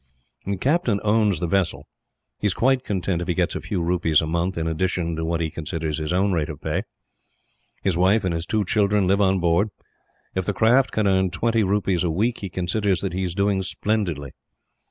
"The captain owns the vessel. He is quite content if he gets a few rupees a month, in addition to what he considers his own rate of pay. His wife and his two children live on board. If the craft can earn twenty rupees a week, he considers that he is doing splendidly.